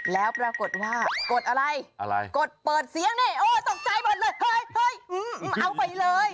แล้วปรากฏว่ากดอะไรกดเปิดเสียงโอ้ยตกใจหมดเลยเฮ้ยเฮ้ยเอาไปเลย